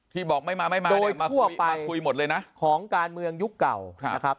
ที่บอกไม่มาไม่มามาคุยหมดเลยนะโดยทั่วไปของการเมืองยุคเก่านะครับ